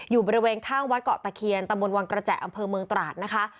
อยู่บริเวณข้างวัดเกาะตะเคียนตำบลวังกระแจอำเภอเมืองตราดนะคะ